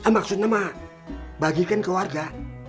maksudnya mah bagikan ke warga